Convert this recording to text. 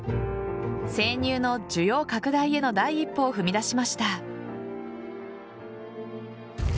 生乳の需要拡大への第一歩を踏み出しました。